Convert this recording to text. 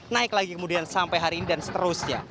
naik lagi kemudian sampai hari ini dan seterusnya